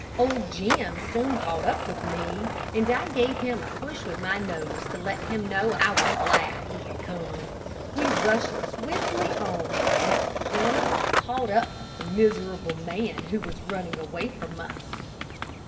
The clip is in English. Old Jim soon caught up with me, and I gave him a push with my nose, to let him know I was glad he had come. We rushed swiftly on, and at the corner caught up with the miserable man who was running away from us.